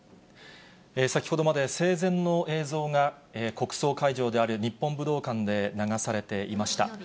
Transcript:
先ほどまで、生前の映像が、国葬会場である日本武道館で流されていました。